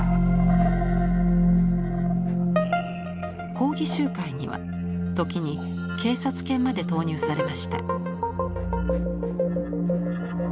抗議集会には時に警察犬まで投入されました。